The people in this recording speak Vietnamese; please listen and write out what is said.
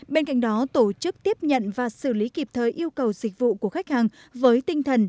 bên cạnh đó tổ chức tiếp nhận và xử lý kịp thời yêu cầu dịch vụ của khách hàng với tinh thần